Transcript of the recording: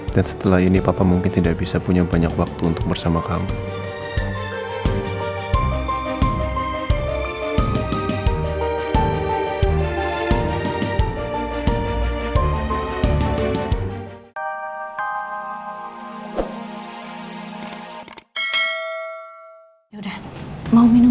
dan setelah ini papa mungkin tidak bisa punya banyak waktu untuk bersama kamu